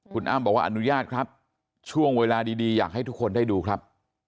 คุณอ้ำบอกว่าอนุญาตครับช่วงเวลาดีอยากให้ทุกคนได้ดูครับ